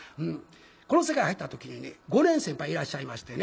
この世界入った時にね５年先輩いらっしゃいましてね。